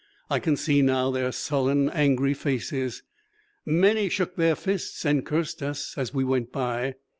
I can see now their sullen, angry faces. Many shook their fists and cursed us as we went by.